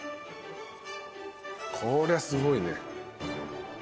こりゃすごいね。